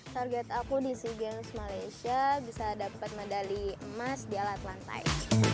target aku di sea games malaysia bisa dapat medali emas di alat lantai